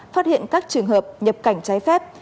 phát hiện các trường hợp nhập cảnh trái phép